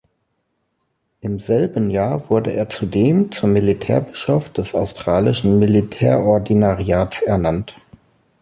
Im selben Jahr wurde er zudem zum Militärbischof des Australischen Militärordinariats ernannt.